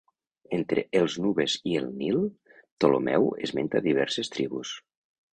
Entre els nubes i el Nil, Ptolemeu esmenta diverses tribus.